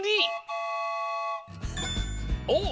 おっ！